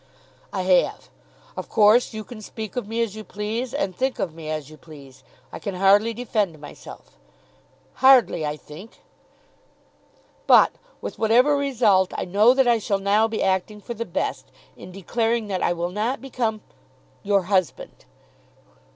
"I have. Of course, you can speak of me as you please and think of me as you please. I can hardly defend myself." "Hardly, I think." "But, with whatever result, I know that I shall now be acting for the best in declaring that I will not become your husband."